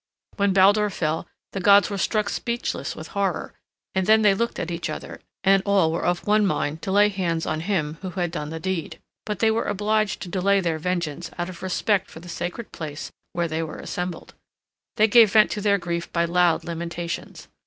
When Baldur fell, the gods were struck speechless with horror, and then they looked at each other, and all were of one mind to lay hands on him who had done the deed, but they were obliged to delay their vengeance out of respect for the sacred place where they were assembled. They gave vent to their grief by loud lamentations.